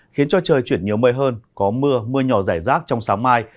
khiến cho trời chuyển nhiều mây hơn có mưa mưa nhỏ rải rác trong sáng mai